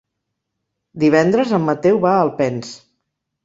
Divendres en Mateu va a Alpens.